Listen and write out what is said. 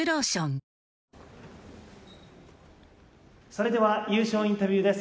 それでは優勝インタビューです。